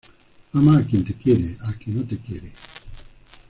Ama a quien te quiere, al que no te quiere.